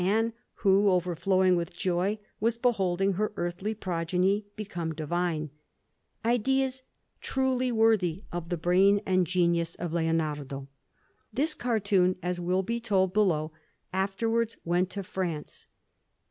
Anne, who, overflowing with joy, was beholding her earthly progeny become divine ideas truly worthy of the brain and genius of Leonardo. This cartoon, as will be told below, afterwards went to France.